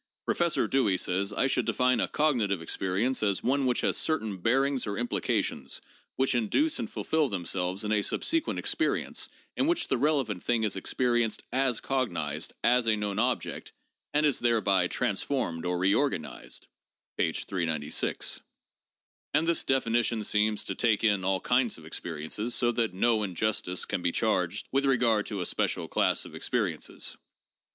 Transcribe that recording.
Professor Dewey says, 'I should define a cognitive experience as one which has certain bearings or implications which induce and fulfill themselves in a subsequent experience in which the relevant thing is experienced as cognized, as a known object, and is thereby transformed or reorganized' (p. 396). And this definition seems to take in all kinds of experiences, so that no injustice can be charged with regard to a special class of experiences.